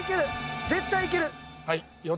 絶対いける！